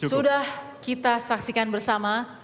sudah kita saksikan bersama